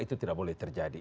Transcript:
itu tidak boleh terjadi